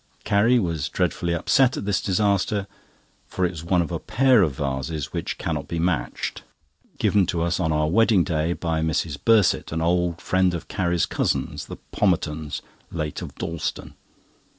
Carrie was dreadfully upset at this disaster, for it was one of a pair of vases which cannot be matched, given to us on our wedding day by Mrs. Burtsett, an old friend of Carrie's cousins, the Pommertons, late of Dalston.